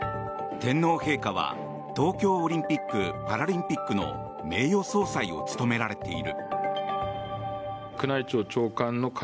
天皇陛下は東京オリンピック・パラリンピックの名誉総裁を務められている。